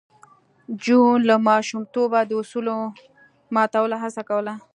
جون له ماشومتوبه د اصولو ماتولو هڅه کوله